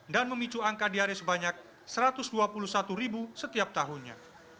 dan memicu angka diari sebanyak satu ratus dua puluh satu ribu setiap tahunnya